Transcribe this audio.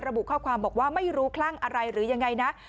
ระบุข้อความบอกว่าไม่รู้คลั่งอะไรหรือยังไงนะ